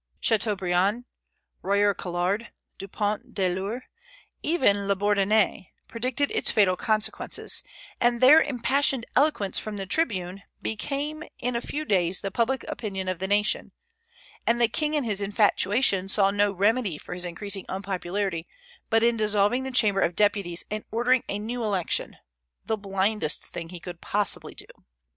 Chateaubriand, Royer Collard, Dupont (de l'Eure), even Labourdonnais, predicted its fatal consequences; and their impassioned eloquence from the tribune became in a few days the public opinion of the nation, and the king in his infatuation saw no remedy for his increasing unpopularity but in dissolving the Chamber of Deputies and ordering a new election, the blindest thing he could possibly do.